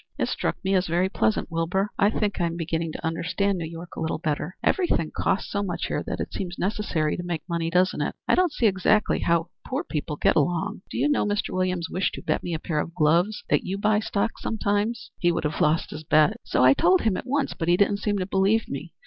"It struck me as very pleasant, Wilbur. I think I am beginning to understand New York a little better. Every thing costs so much here that it seems necessary to make money, doesn't it? I don't see exactly how poor people get along. Do you know, Mr. Williams wished to bet me a pair of gloves that you buy stocks sometimes." "He would have lost his bet." "So I told him at once. But he didn't seem to believe me.